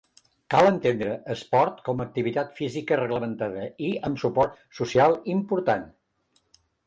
Cal entendre esport com activitat física reglamentada i amb un suport social important.